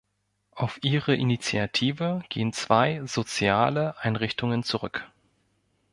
Auf ihre Initiative gehen zwei soziale Einrichtungen zurück.